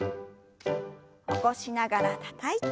起こしながらたたいて。